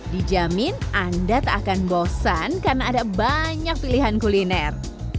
dijamin anda tak akan bosan karena ada banyak pilihan kuliner